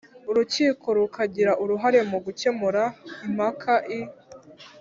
Urukiko rukagira uruhare mu gukemura impakai